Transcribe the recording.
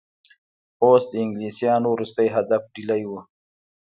اوس د انګلیسیانو وروستی هدف ډهلی وو.